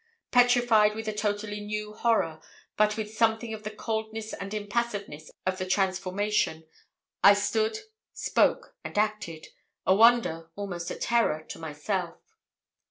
Petrified with a totally new horror, but with something of the coldness and impassiveness of the transformation, I stood, spoke, and acted a wonder, almost a terror, to myself.